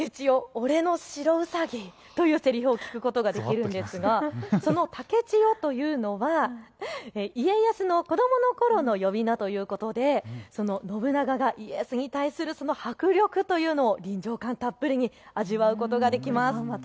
俺の白ウサギ！というせりふを聞くことができるんですがその竹千代というのが家康の子どものころの呼び名ということで信長の家康に対する迫力というのを臨場感たっぷりに味わうことができます。